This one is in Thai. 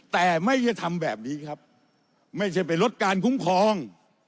แต่ไม่ใช่ทำแบบนี้ครับไม่ใช่ไปลดการคุ้มครอง